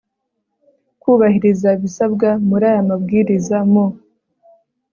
kubahiriza ibisabwa muri aya mabwiriza mu